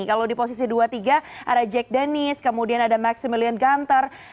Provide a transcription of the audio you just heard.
kalau di posisi dua tiga ada jack dennis kemudian ada maximilian gunter